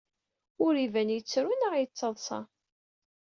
Ur iban yettru neɣ yettaḍsa.